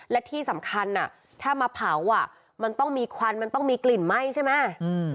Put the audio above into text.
และที่สำคัญถ้ามาเผาอ่ะมันต้องมีควันมันต้องมีกลิ่นไหม้ใช่ไหม